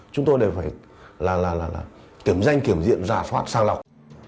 chúng tôi đều phải kiểm danh kiểm diện giả soát sang lọc